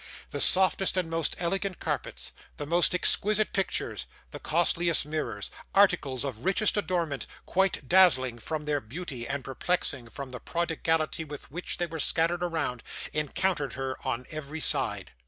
The softest and most elegant carpets, the most exquisite pictures, the costliest mirrors; articles of richest ornament, quite dazzling from their beauty and perplexing from the prodigality with which they were scattered around; encountered her on every side.